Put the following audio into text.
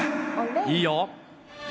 いいよ。